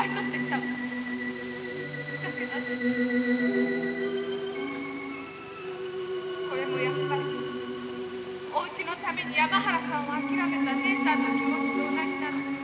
だけど私これもやっぱりおうちのために山原さんを諦めた姉さんの気持ちと同じなのねきっと。